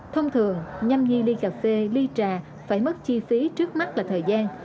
thông thường nhằm nhiên ly cà phê ly trà phải mất chi phí trước mắt là thời gian